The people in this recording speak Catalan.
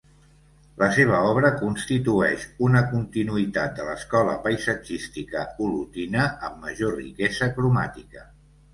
La seva obra constitueix una continuïtat de l'escola paisatgística olotina amb major riquesa cromàtica.